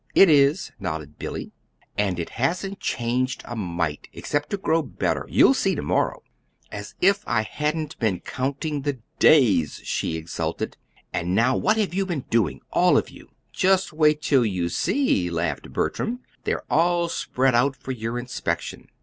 "It is," nodded Billy. "And it hasn't changed a mite, except to grow better. You'll see to morrow." "As if I hadn't been counting the days!" she exulted. "And now what have you been doing all of you?" "Just wait till you see," laughed Bertram. "They're all spread out for your inspection."